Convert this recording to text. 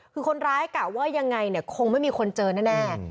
คือคนร้ายกะว่ายังไงเนี่ยคงไม่มีคนเจอแน่